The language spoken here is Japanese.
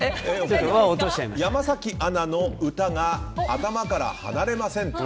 山崎アナの歌が頭から離れませんと。